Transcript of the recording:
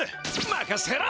まかせろ！